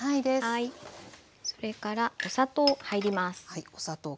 それからお砂糖入ります。